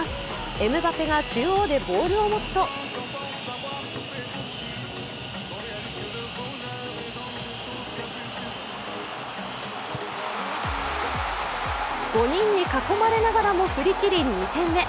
エムバペが中央でボールを持つと５人に囲まれながらも振り切り２点目。